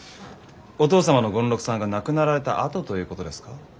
お父様の権六さんが亡くなられたあとということですか？